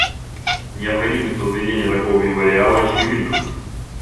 Необходимость возведения такого мемориала очевидна.